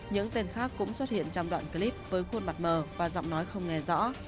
những tên khác cũng xuất hiện trong đoạn clip với khuôn mặt mờ và giọng nói không nghe rõ